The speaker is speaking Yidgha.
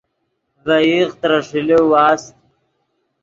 ڤے ایغ ترے ݰیلے واست